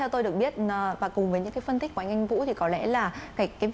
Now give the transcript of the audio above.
tôi cho rằng hình thức xét tuyển mới này thì bắt buộc thí sinh